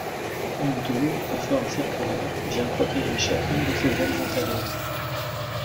Une tour, de forme circulaire, vient protéger chacune de ces ailes antérieures.